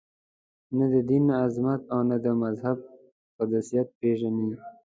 نه د دین عظمت او نه د مذهب قدسیت پېژني.